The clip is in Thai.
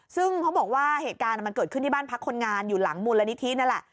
ซึ่งเขาบอกว่าเหตุการณ์มันเกิดขึ้นที่บ้านพักคนงานอยู่หลังมูลนิธินั่นแหละ